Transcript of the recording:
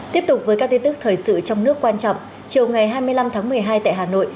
tiếp tục với các tin tức thời sự trong nước quan trọng chiều ngày hai mươi năm tháng một mươi hai tại hà nội